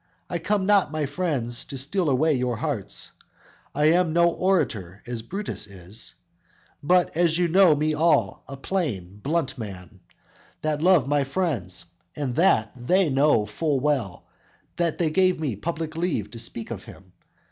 I come not, friends, to steal away your hearts; I am no orator, as Brutus is: But as you know me all, a plain, blunt man, That love my friends, and that they know full well, That gave me public leave to speak of him.